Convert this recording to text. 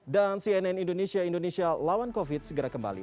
dan cnn indonesia indonesia lawan covid segera kembali